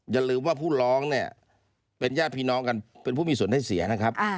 อย่าลืมว่าผู้ร้องเนี่ยเป็นญาติพี่น้องกันเป็นผู้มีส่วนให้เสียนะครับ